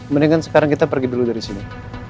mendingan sekarang kita pergi dulu dari sini